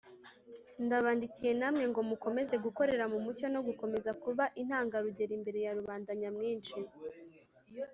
Ndabandikiye namwe ngo mukomeze gukorera mu mucyo no gukomeza kuba intangarugero imbere ya rubanda nyamwinshi.